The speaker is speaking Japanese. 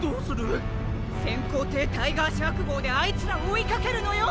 せんこうていタイガーシャークごうであいつらをおいかけるのよ！